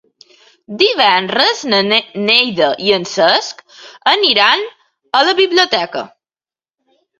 Divendres na Neida i en Cesc aniran a la biblioteca.